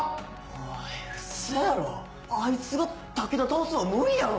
おいウソやろ⁉あいつが武田倒すんは無理やろ？